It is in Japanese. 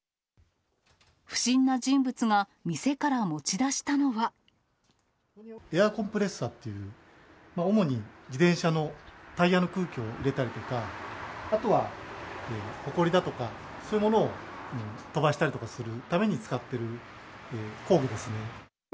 不審な人物が店から持ち出したのエアコンプレッサーという、主に自転車のタイヤの空気を入れたりだとか、あとは、ほこりだとか、そういうものを飛ばしたりするために使っている工